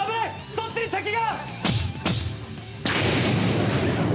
そっちに敵が！